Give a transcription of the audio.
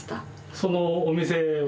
そのお店を？